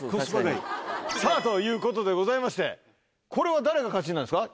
さぁということでございましてこれは誰が勝ちなんですか？